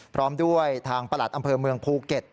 พร้อมด้วยทางประหลัดอำเภอเมืองภูเก็ต